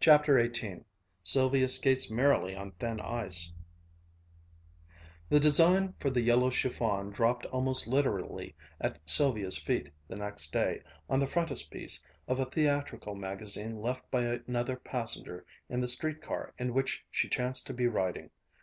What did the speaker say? CHAPTER XVIII SYLVIA SKATES MERRILY ON THIN ICE The design for the yellow chiffon dropped almost literally at Sylvia's feet the next day, on the frontispiece of a theatrical magazine left by another passenger in the streetcar in which she chanced to be riding.